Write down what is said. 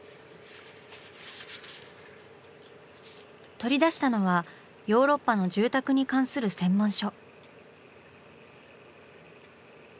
取り出したのはヨーロッパの住宅に関する専門書。